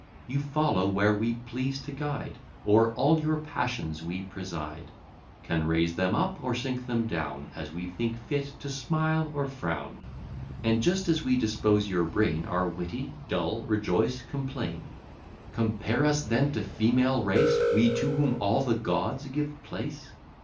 You follow where we please to guide; O'er all your passions we preside, Can raise them up, or sink them down, As we think fit to smile or frown: And, just as we dispose your brain, Are witty, dull, rejoice, complain. Compare us then to female race! We, to whom all the gods give place!